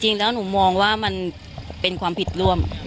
จริงแล้วหนูมองว่ามันเป็นความผิดร่วม